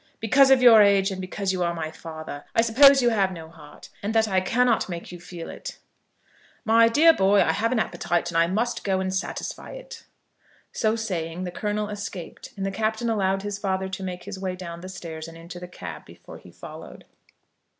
"Because of your age, and because you are my father. I suppose you have no heart, and that I cannot make you feel it." "My dear boy, I have an appetite, and I must go and satisfy it." So saying the Colonel escaped, and the Captain allowed his father to make his way down the stairs and into the cab before he followed.